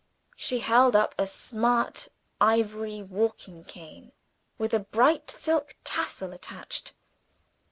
She held up a smart ivory walking cane, with a bright silk tassel attached.